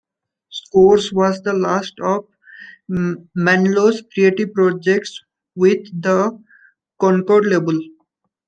"Scores" was the last of Manilow's creative projects with the Concord label.